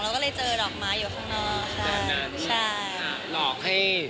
เราก็เลยเจอดอกไม้อยู่ข้างนอกค่ะ